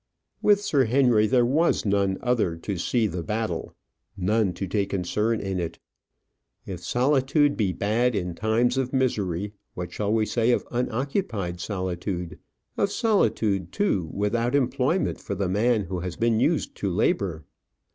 With Sir Henry, there was none other to see the battle, none to take concern in it. If solitude be bad in times of misery, what shall we say of unoccupied solitude? of solitude, too, without employment for the man who has been used to labour?